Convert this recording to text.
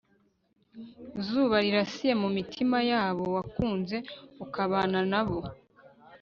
zuba rirasiye mu mitima y'abo wakunze ukabana nabo